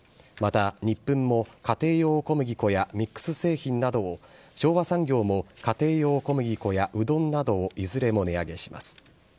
またニップンも家庭用小麦粉やミックス製品などを昭和産業も家庭用小麦粉やうどんなどをいずれも値上げします。